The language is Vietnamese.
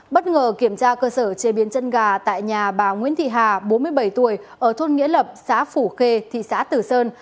bất ngờ kiểm tra cơ sở chế biến chân gà tại nhà bà nguyễn thị hà bốn mươi bảy tuổi ở thôn nghĩa lập xã phủ khê thị xã tử sơn